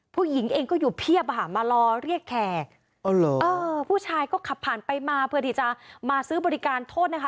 ผู้หญิงเองก็อยู่เพียบอ่ะค่ะมารอเรียกแขกผู้ชายก็ขับผ่านไปมาเพื่อที่จะมาซื้อบริการโทษนะคะ